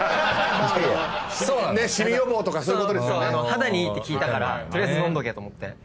肌にいいって聞いたから取りあえず飲んどけと思って。